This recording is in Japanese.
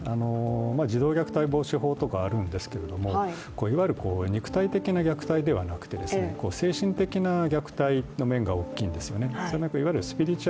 児童虐待防止法とかあるんですけど、肉体的な虐待ではなくて精神的な虐待の面が大きいんですよね。